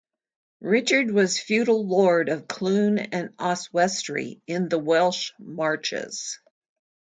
Richard was feudal Lord of Clun and Oswestry in the Welsh Marches.